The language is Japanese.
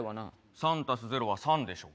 ３＋０は３でしょ。